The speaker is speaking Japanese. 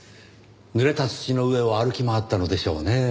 ぬれた土の上を歩き回ったのでしょうねぇ。